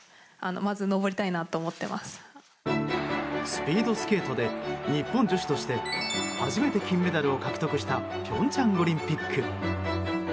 スピードスケートで日本女子として初めて金メダルを獲得した平昌オリンピック。